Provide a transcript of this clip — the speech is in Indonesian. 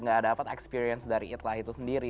gak dapat experience dari itu lah itu sendiri